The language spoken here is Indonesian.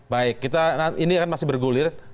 baik ini akan masih bergulir